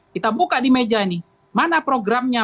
kita buka di meja ini mana programnya